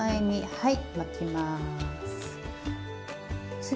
はい。